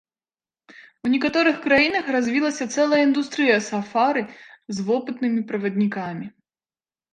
У некаторых краінах развілася цэлая індустрыя сафары з вопытнымі праваднікамі.